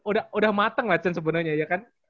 iya udah mateng lah cen sebenernya iya kan